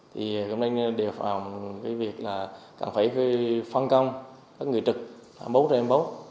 thì hôm nay đều phòng cái việc là cần phải phân công các người trực bố trên bố